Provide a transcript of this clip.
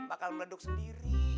bakal meleduk sendiri